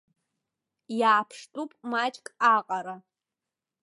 Иааԥштәуп маҷк аҟара.